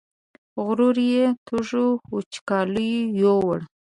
غرور یې تږو وچکالیو یووړ